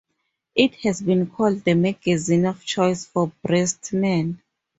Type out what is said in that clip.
It has been called "the magazine of choice for breast men".